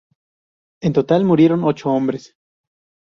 En total murieron ocho hombres.